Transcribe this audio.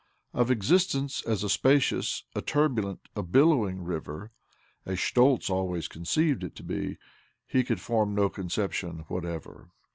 Of existence as a spacious, a turbulent, a billowing river, as Schtoltz always conceived it to be, he could form no conception whatever.